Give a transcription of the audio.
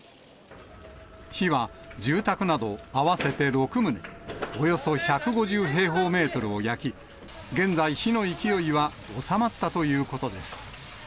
火は住宅など合わせて６棟、およそ１５０平方メートルを焼き、現在、火の勢いは収まったということです。